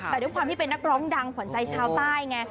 แต่ด้วยความที่เป็นนักร้องดังขวัญใจชาวใต้ไง